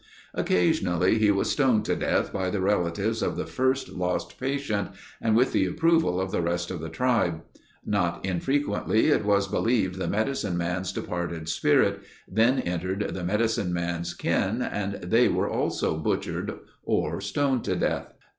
Occasionally he was stoned to death by the relatives of the first lost patient and with the approval of the rest of the tribe. Not infrequently it was believed the medicine man's departed spirit then entered the medicine man's kin and they were also butchered or stoned to death.